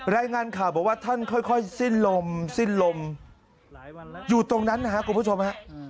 รายงานข่าวบอกว่าท่านค่อยสิ้นลมสิ้นลม